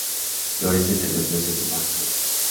Florece entre los meses de marzo y mayo.